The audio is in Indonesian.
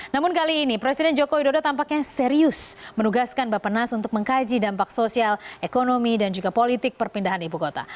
namun kali ini presiden joko widodo tampaknya serius menugaskan bapak nas untuk mengkaji dampak sosial ekonomi dan juga politik perpindahan ibu kota